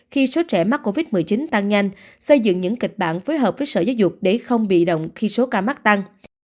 khi số trẻ mắc covid một mươi chín tăng nhanh xây dựng những kịch bản phối hợp với sở giáo dục để không bị động khi số ca mắc tăng